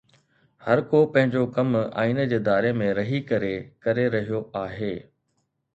هر ڪو پنهنجو ڪم آئين جي دائري ۾ رهي ڪري ڪري رهيو آهي.